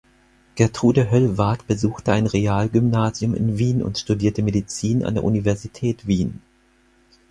Gertrude Höllwarth besuchte ein Realgymnasium in Wien und studierte Medizin an der Universität Wien.